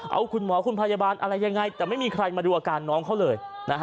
เอาคุณหมอคุณพยาบาลอะไรยังไงแต่ไม่มีใครมาดูอาการน้องเขาเลย